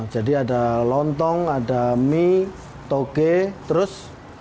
ada lontong ada mie toge terus